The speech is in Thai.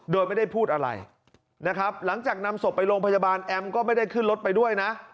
โดยไม่ได้พูดอะไรนะครับหลังจากนำศพไปโรงพยาบาลแอมก็ไม่ได้ขึ้นรถไปด้วยนะ